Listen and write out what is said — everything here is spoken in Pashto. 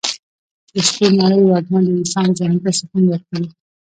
د شپې نرۍ وږمه د انسان ذهن ته سکون ورکوي.